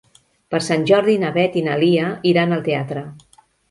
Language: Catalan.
Per Sant Jordi na Beth i na Lia iran al teatre.